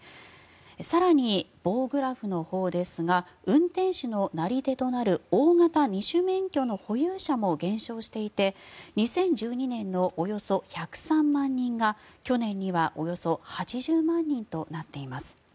更に、棒グラフのほうですが運転手のなり手となる大型二種免許の保有者も減少していて２０１２年のおよそ１０３万人が去年にはおよそ８０万人となっています。